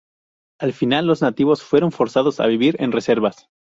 Al final los nativos fueron forzados a vivir en reservas.